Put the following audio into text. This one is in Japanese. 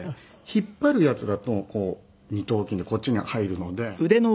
引っ張るやつだと二頭筋でこっちに入るので。